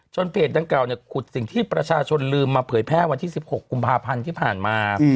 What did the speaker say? เพจดังกล่าวขุดสิ่งที่ประชาชนลืมมาเผยแพร่วันที่๑๖กุมภาพันธ์ที่ผ่านมา